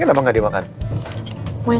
kalau gitu kita cari makanan yang enak ya